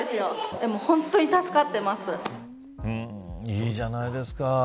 いいじゃないですか。